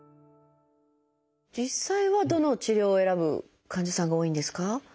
実際はどの治療を選ぶ患者さんが多いんですか？